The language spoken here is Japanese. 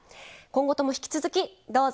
今後とも引き続きどうぞ。